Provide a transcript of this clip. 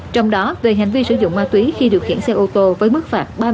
trong đó về hành vi sử dụng ma túy khi điều khiển xe ô tô với mức phạt ba mươi năm triệu đồng